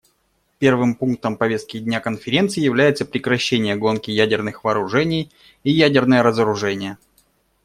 Первым пунктом повестки дня Конференции является прекращение гонки ядерных вооружений и ядерное разоружение.